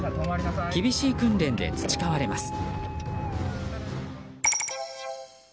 厳しい訓練で培われます。